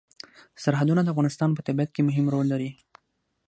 سرحدونه د افغانستان په طبیعت کې مهم رول لري.